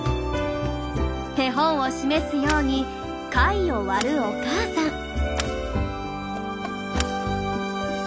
手本を示すように貝を割るお母さん。